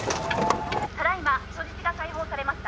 「ただ今人質が解放されました」